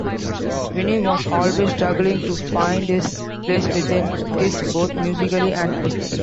Vinnie was always struggling to find his place within Kiss, both musically and personally.